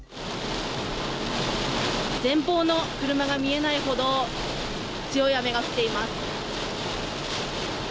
前方の車が見えないほど、強い雨が降っています。